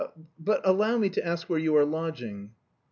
But allow me to ask where you are lodging."